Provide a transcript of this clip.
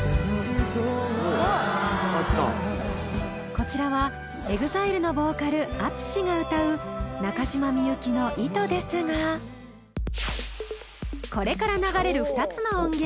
こちらはＥＸＩＬＥのボーカルＡＴＳＵＳＨＩが歌う中島みゆきの「糸」ですがこれから流れる２つの音源